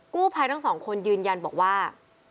กู้ภัยทั้งสองคนยืนยันบอกว่า